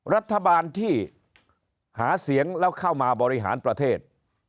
รัฐบาลที่หาเสียงแล้วเข้ามาบริหารประเทศ